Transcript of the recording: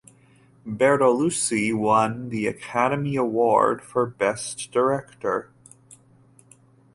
Bertolucci won the Academy Award for Best Director.